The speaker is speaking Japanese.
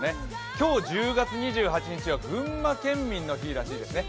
今日１０月２８日は群馬県民の日らしいですよ。